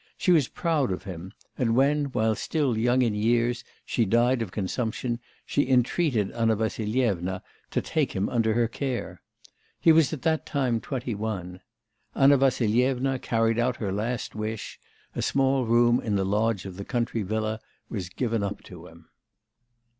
She was proud of him, and when, while still young in years, she died of consumption, she entreated Anna Vassilyevna to take him under her care. He was at that time twenty one. Anna Vassilyevna carried out her last wish; a small room in the lodge of the country villa was given up to him.